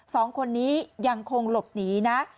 สองคนนี้ยังคงหลบหนีนะ